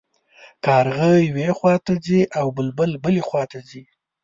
کارغه یوې خوا ته ځي او بلبل بلې خوا ته ځي.